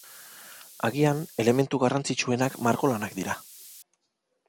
Agian, elementu garrantzitsuenak margolanak dira.